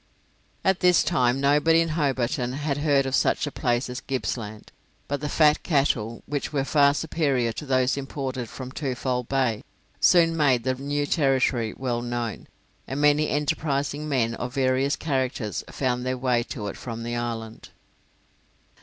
At this time, nobody in Hobarton had heard of such a place as Gippsland; but the fat cattle, which were far superior to those imported from Twofold Bay, soon made the new territory well known, and many enterprising men of various characters found their way to it from the island.